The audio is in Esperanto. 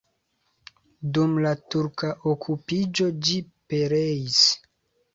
Dum la turka okupiĝo ĝi pereis.